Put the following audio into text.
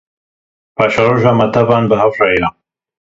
Paşeroja me tevan bi hev re ye.